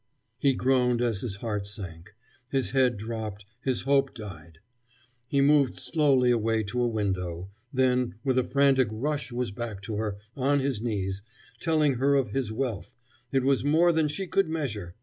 He groaned, as his heart sank, his head dropped, his hope died. He moved slowly away to a window; then, with a frantic rush was back to her, on his knees, telling her of his wealth it was more than she could measure!